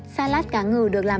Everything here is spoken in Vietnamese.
salad cá ngừ được làm